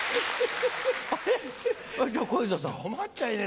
黙っちゃいねえ